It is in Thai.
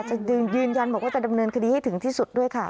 จะยืนยันบอกว่าจะดำเนินคดีให้ถึงที่สุดด้วยค่ะ